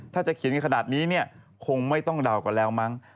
ถ้าจะเขียนกันขนาดนี้เนี่ยคงไม่ต้องเดากันแล้วมั้ง